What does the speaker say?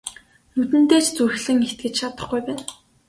Нүдэндээ ч зүрхлэн итгэж чадахгүй байна.